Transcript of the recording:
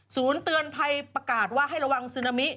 เตือนภัยประกาศว่าให้ระวังซึนามิ